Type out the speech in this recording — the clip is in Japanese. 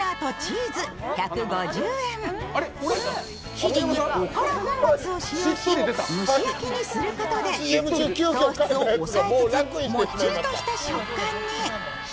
生地におから粉末を使用し、蒸し焼きにすることで、糖質を抑えつつもっちりとした食感に。